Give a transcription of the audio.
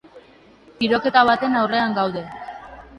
Tiroketa baten aurrean gaude.